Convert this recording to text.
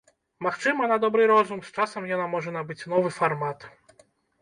Магчыма, на добры розум, з часам яна можа набыць новы фармат.